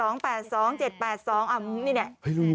เนี้ย